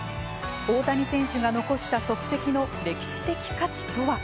大谷選手が残した足跡の歴史的価値とは。